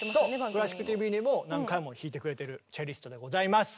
「クラシックＴＶ」にも何回も弾いてくれてるチェリストでございます！